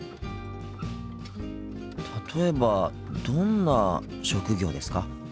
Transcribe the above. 例えばどんな職業ですか？